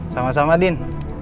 sama sama din